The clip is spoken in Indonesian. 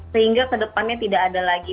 sehingga kedepannya tidak ada lagi